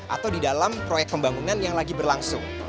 atau di dalam proyek pembangunan yang lagi berlangsung